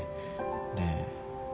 で。